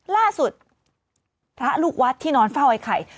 พระลูกวัดที่นอนเฝ้าไอ้ไข่